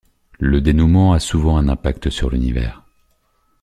Le dénouement a souvent un impact sur l'univers.